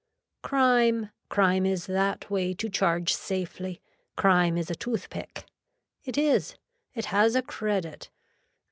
Crime, crime is that way to charge safely, crime is a tooth pick. It is. It has a credit.